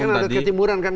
jadi kan ada ketimuran kan